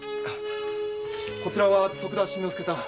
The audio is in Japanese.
こちらは徳田新之助さん。